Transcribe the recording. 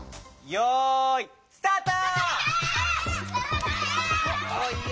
よいスタート！